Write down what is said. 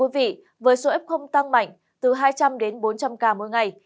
với số f tăng mạnh từ hai trăm linh đến bốn trăm linh ca mỗi ngày